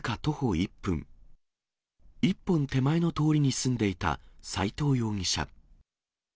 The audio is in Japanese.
１本手前の通りに住んでいた斎藤容疑者。